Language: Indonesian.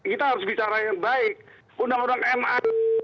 kita harus bicara yang baik undang undang ma